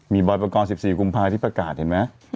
มีบรอยประกอบ๑๔กุมภาคที่ประกาศเห็นมั้ย